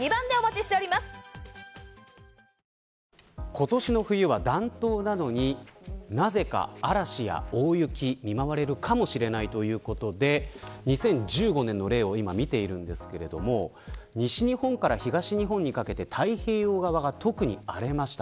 今年の冬は暖冬なのになぜか嵐や大雪に見舞われるかもしれないということで２０１５年の例を今、見ているんですけれども西日本から東にかけて太平洋側が特に荒れました。